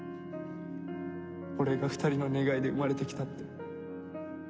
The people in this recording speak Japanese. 俺が２人の願いで生まれてきたって。